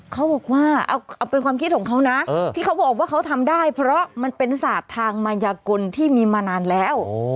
เขาบอกว่าเอาเป็นความคิดของเขานะที่เขาบอกว่าเขาทำได้เพราะมันเป็นศาสตร์ทางมายกลที่มีมานานแล้ว